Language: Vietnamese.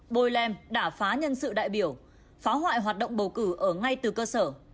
bồi lem đã phá nhân sự đại biểu phá hoại hoạt động bầu cử ở ngay từ cơ sở